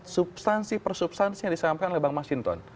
substansi persubstansi yang disampaikan oleh bang mas hinton